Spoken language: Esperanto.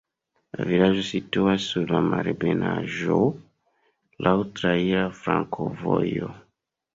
La vilaĝo situas sur malebenaĵo, laŭ traira flankovojo.